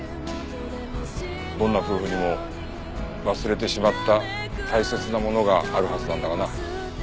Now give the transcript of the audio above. どんな夫婦にも忘れてしまった大切なものがあるはずなんだがな。